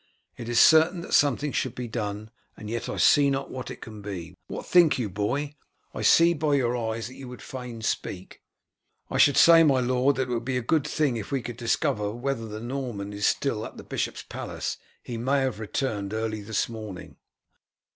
"It is certain that something should be done, and yet I see not what it can be. What think you, boy? I see by your eyes that you would fain speak." "I should say, my lord, that it would be a good thing if we could discover whether the Norman is still at the bishop's palace. He may have returned early this morning."